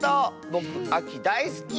ぼくあきだいすき！